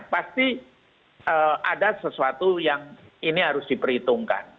pasti ada sesuatu yang ini harus diperhitungkan